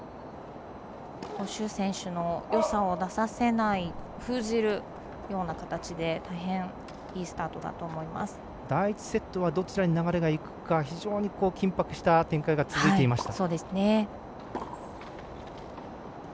朱選手のよさを出させない封じるような形で、大変いい第１セットはどちらに流れがいくか非常に緊迫した展開が続いていました。